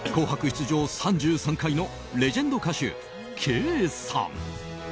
出場３３回のレジェンド歌手・Ｋさん。